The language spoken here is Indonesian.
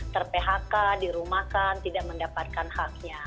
ter phk dirumahkan tidak mendapatkan haknya